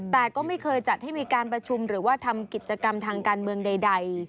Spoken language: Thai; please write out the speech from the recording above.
แต่ก็ไม่เคยจัดให้มีการประชุมหรือว่าทำกิจกรรมทางการเมืองใด